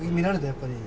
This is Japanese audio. やっぱり。